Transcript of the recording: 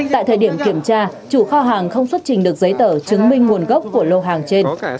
tại thời điểm kiểm tra chủ kho hàng không xuất trình được giấy tờ chứng minh nguồn gốc của lô hàng trên